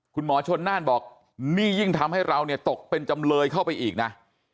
คุณหมอชนน่านบอกนี่ยิ่งทำให้เราเนี่ยตกเป็นจำเลยเข้าไปอีกนะ